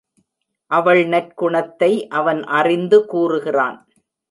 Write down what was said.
அவள் நற்குணத்தை அவன் அறிந்து கூறுகிறான்.